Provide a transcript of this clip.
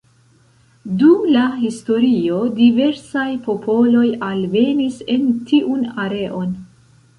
Dum la historio diversaj popoloj alvenis en tiun areon.